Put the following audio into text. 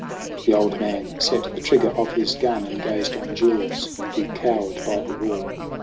The old man set the trigger of his gun And gazed on Jules who cowered by the wall.